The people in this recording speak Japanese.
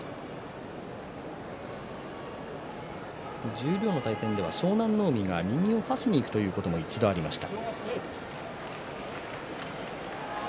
十両の対戦では湘南乃海が右を差しにいくということも一度ありました。